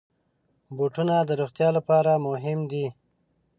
بوټونه د روغتیا لپاره مهم دي.